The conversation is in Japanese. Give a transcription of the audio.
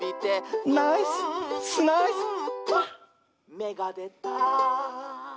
「めがでた！」